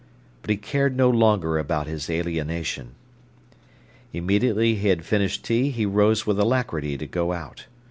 But he cared no longer about his alienation. Immediately he had finished tea he rose with alacrity to go out.